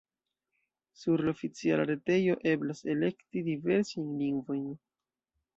Sur la oficiala retejo eblas elekti diversajn lingvojn.